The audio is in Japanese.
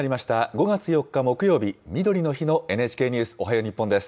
５月４日木曜日、みどりの日のＮＨＫニュースおはよう日本です。